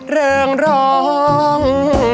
เรื่องร้อง